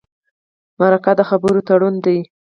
مرکه د خبرو تړون دی.